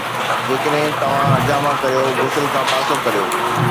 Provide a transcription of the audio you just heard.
جيڪڏهن توهان حجامہ ڪريو، غسل کان پاسو ڪريو